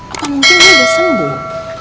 apa mungkin dia sembuh